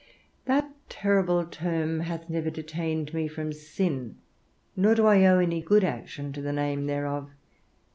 That terrible term hath never detained me from sin, nor do I owe any good action to the name thereof.